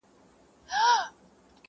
هغه ورځ لکه کارګه په ځان پوهېږي.!